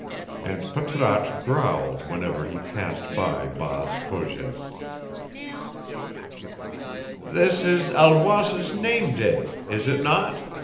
And Patrasche growled whenever he passed by Baas Cogez. "This is Alois's name day, is it not?"